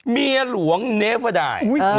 เมียหลวงเนฟเกอร์ได